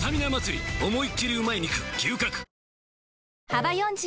幅４０